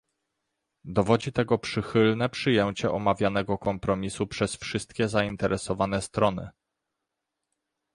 Dowodzi tego przychylne przyjęcie omawianego kompromisu przez wszystkie zainteresowane strony